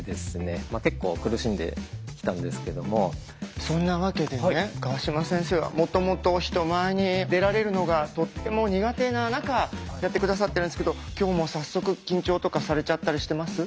僕はそんなわけでね川島先生はもともと人前に出られるのがとっても苦手な中やって下さってるんですけど今日も早速緊張とかされちゃったりしてます？